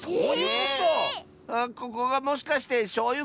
ここがもしかしてしょうゆこうじょうスか？